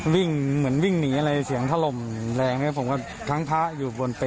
วิ่งเหมือนวิ่งหนีอะไรเสียงถล่มแรงเนี่ยผมก็ทั้งพระอยู่บนเปร